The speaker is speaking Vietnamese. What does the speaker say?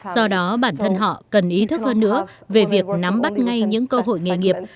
do đó bản thân họ cần ý thức hơn nữa về việc nắm bắt ngay những cơ hội nghề nghiệp